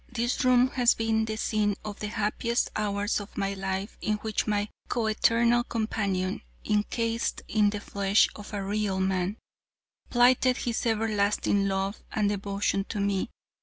This room has been the scene of the happiest hours of my life in which my coeternal companion, incased in the flesh of a real man, plighted his everlasting love and devotion to me.